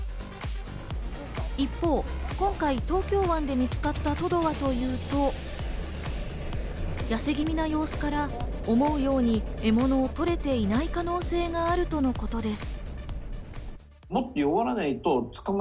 一方、今回、東京湾で見つかったトドはというと、やせ気味の様子から、思うように獲物をとれていない可能性があるとのことです。